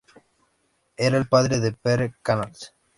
Era el padre de Pere Canals.